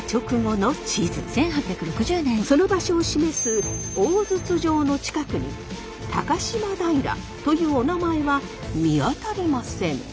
その場所を示す大筒場の近くに高島平というおなまえは見当たりません。